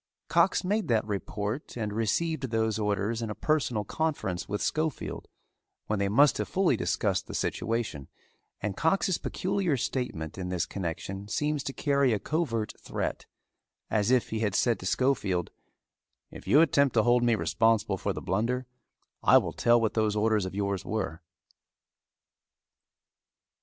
Cox made that report and received those orders in a personal conference with Schofield when they must have fully discussed the situation, and Cox's peculiar statement in this connection seems to carry a covert threat, as if he had said to Schofield, "If you attempt to hold me responsible for the blunder I will tell what those orders of yours were."